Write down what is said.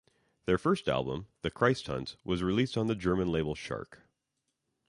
Their first album, "The Christhunt", was released on the German label Shark.